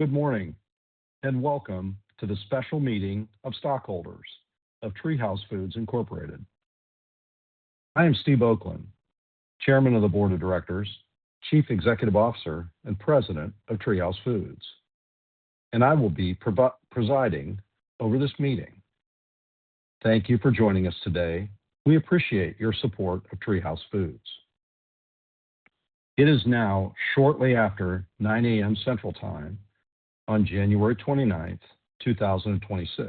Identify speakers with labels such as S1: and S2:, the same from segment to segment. S1: Good morning, and welcome to the special meeting of stockholders of TreeHouse Foods Incorporated. I am Steve Oakland, Chairman of the Board of Directors, Chief Executive Officer, and President of TreeHouse Foods, and I will be presiding over this meeting. Thank you for joining us today. We appreciate your support of TreeHouse Foods. It is now shortly after 9 A.M. Central Time on January 29th, 2026,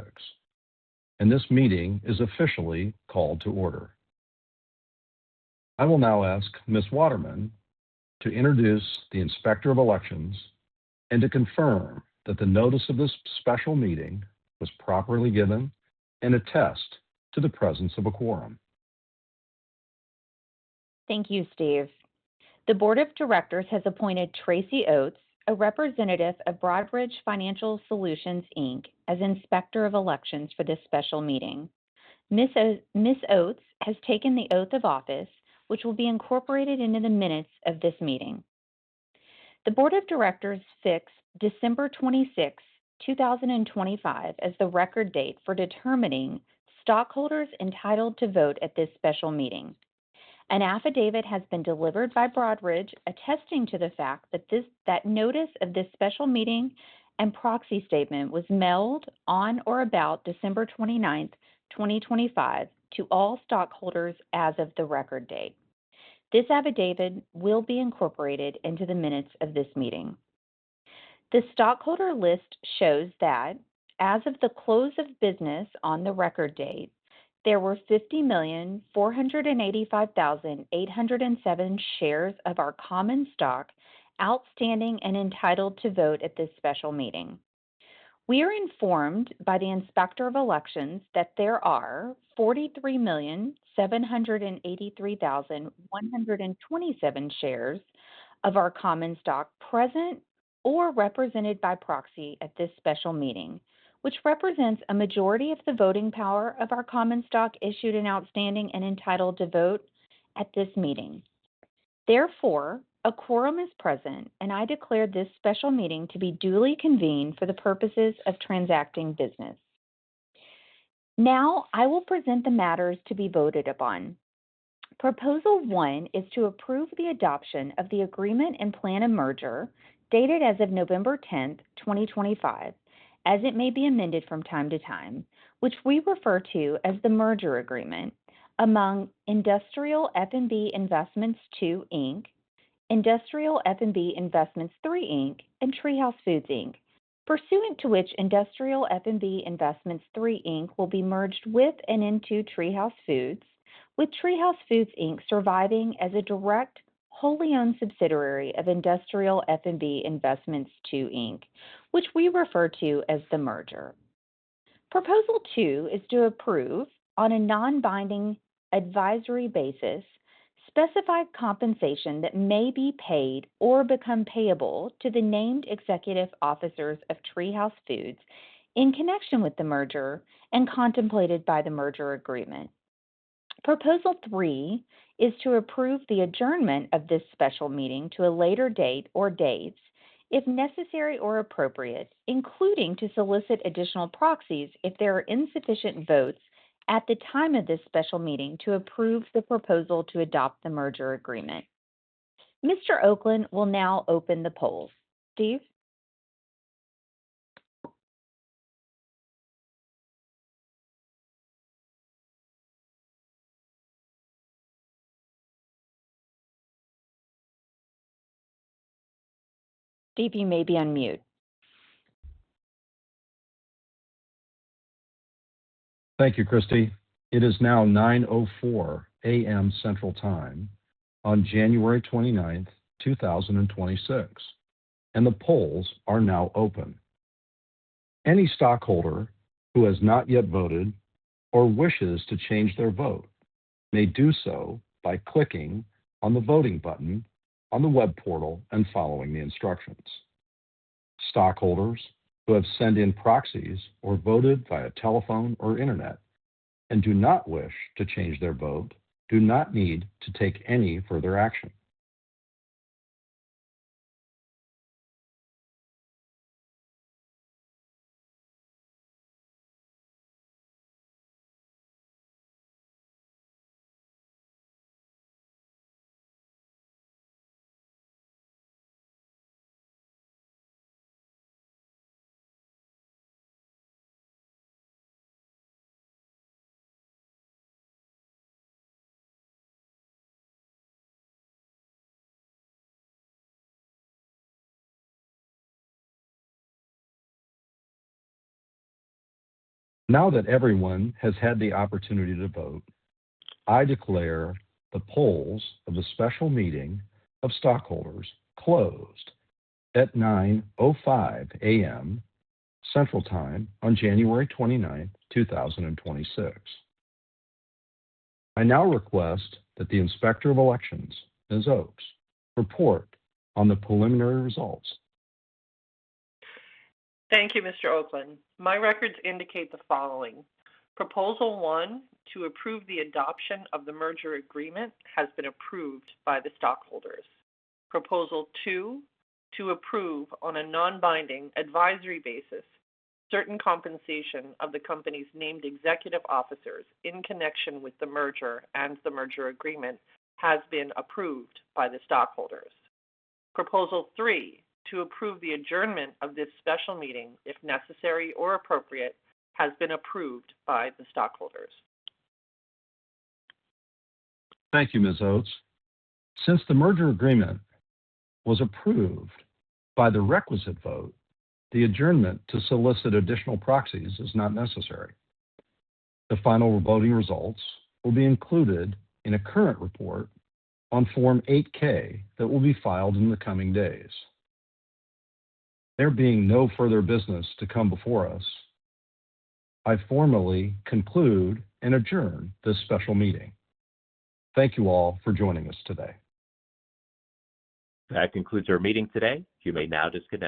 S1: and this meeting is officially called to order. I will now ask Ms. Waterman to introduce the Inspector of Elections and to confirm that the notice of this special meeting was properly given and attest to the presence of a quorum.
S2: Thank you, Steve. The board of directors has appointed Tracy Oates, a representative of Broadridge Financial Solutions, Inc., as Inspector of Elections for this special meeting. Ms. Oates has taken the oath of office, which will be incorporated into the minutes of this meeting. The board of directors fixed December 26th, 2025, as the record date for determining stockholders entitled to vote at this special meeting. An affidavit has been delivered by Broadridge, attesting to the fact that that notice of this special meeting and proxy statement was mailed on or about December 29, 2025, to all stockholders as of the record date. This affidavit will be incorporated into the minutes of this meeting. The stockholder list shows that as of the close of business on the Record Date, there were 50,485,807 shares of our common stock outstanding and entitled to vote at this special meeting. We are informed by the Inspector of Elections that there are 43,783,127 shares of our common stock present or represented by proxy at this special meeting, which represents a majority of the voting power of our common stock issued and outstanding and entitled to vote at this meeting. Therefore, a quorum is present, and I declare this special meeting to be duly convened for the purposes of transacting business. Now, I will present the matters to be voted upon. Proposal 1 is to approve the adoption of the agreement and plan of merger, dated as of November 10th, 2025, as it may be amended from time to time, which we refer to as the Merger Agreement among Industrial F&B Investments II Inc., Industrial F&B Investments III Inc., and TreeHouse Foods, Inc. Pursuant to which, Industrial F&B Investments III Inc. will be merged with and into TreeHouse Foods, with TreeHouse Foods, Inc. surviving as a direct, wholly-owned subsidiary of Industrial F&B Investments II Inc., which we refer to as the merger. Proposal two is to approve, on a non-binding advisory basis, specified compensation that may be paid or become payable to the named executive officers of TreeHouse Foods in connection with the merger and contemplated by the Merger Agreement. Proposal three is to approve the adjournment of this special meeting to a later date or dates, if necessary or appropriate, including to solicit additional proxies if there are insufficient votes at the time of this special meeting to approve the proposal to adopt the Merger Agreement. Mr. Oakland will now open the polls. Steve? Steve, you may be on mute.
S1: Thank you, Kristy. It is now 9:04 A.M. Central Time on January 29th, 2026, and the polls are now open. Any stockholder who has not yet voted or wishes to change their vote may do so by clicking on the voting button on the web portal and following the instructions. Stockholders who have sent in proxies or voted via telephone or internet and do not wish to change their vote do not need to take any further action. Now that everyone has had the opportunity to vote, I declare the polls of the special meeting of stockholders closed at 9:05 A.M. Central Time on January 29th, 2026. I now request that the Inspector of Elections, Ms. Oates, report on the preliminary results.
S3: Thank you, Mr. Oakland. My records indicate the following: Proposal one, to approve the adoption of the Merger Agreement, has been approved by the stockholders. Proposal two, to approve on a non-binding advisory basis certain compensation of the company's named executive officers in connection with the merger and the Merger Agreement, has been approved by the stockholders. Proposal three, to approve the adjournment of this special meeting, if necessary or appropriate, has been approved by the stockholders.
S1: Thank you, Ms. Oates. Since the Merger Agreement was approved by the requisite vote, the adjournment to solicit additional proxies is not necessary. The final voting results will be included in a current report on Form 8-K that will be filed in the coming days. There being no further business to come before us, I formally conclude and adjourn this special meeting. Thank you all for joining us today.
S4: That concludes our meeting today. You may now disconnect.